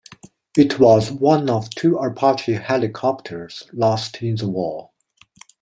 It was one of two Apache helicopters lost in the war.